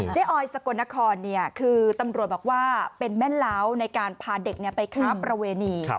ออยสกลนครคือตำรวจบอกว่าเป็นแม่เล้าในการพาเด็กไปค้าประเวณี